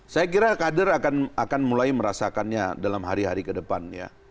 saya kira kader akan mulai merasakannya dalam hari hari ke depannya